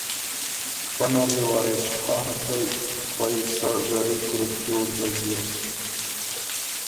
پۀ نر يې وارث خان غدئ خوئ سۀ زری ګروپ جوړ دوک بیوک